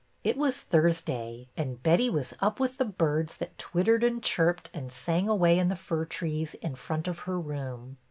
It was Thursday, and Betty was up with the birds that twittered and chirped and sang away in the fir trees in front of her room.